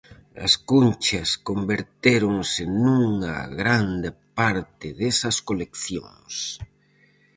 As cunchas convertéronse nunha gran parte desas coleccións.